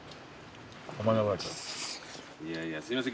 いやいやすいません